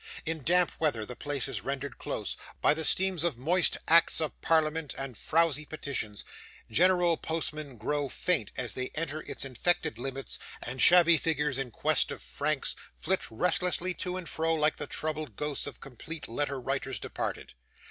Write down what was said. In damp weather, the place is rendered close, by the steams of moist acts of parliament and frouzy petitions; general postmen grow faint as they enter its infected limits, and shabby figures in quest of franks, flit restlessly to and fro like the troubled ghosts of Complete Letter writers departed.